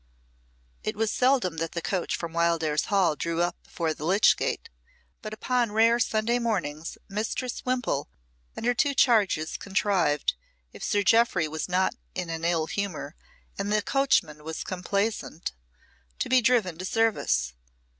It was seldom that the coach from Wildairs Hall drew up before the lych gate, but upon rare Sunday mornings Mistress Wimpole and her two charges contrived, if Sir Jeoffry was not in an ill humour and the coachman was complaisant, to be driven to service.